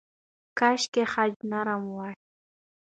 کاشکې خج نرم وای.